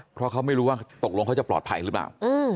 เพราะเขาไม่รู้ว่าตกลงเขาจะปลอดภัยหรือเปล่า